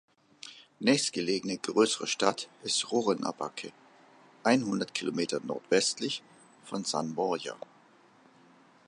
Nächstgelegene größere Stadt ist Rurrenabaque, einhundert Kilometer nordwestlich von "San Borja".